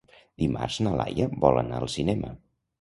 Dimarts na Laia vol anar al cinema.